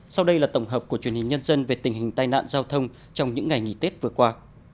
sau đây là tổng hợp của truyền hình nhân dân về tình hình tai nạn giao thông trong những ngày nghỉ tết vừa qua